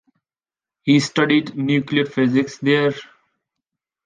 He studied nuclear physics there.